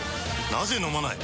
なぜ飲まない？